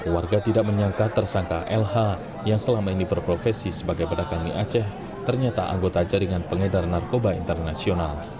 warga tidak menyangka tersangka lh yang selama ini berprofesi sebagai pedagang mie aceh ternyata anggota jaringan pengedar narkoba internasional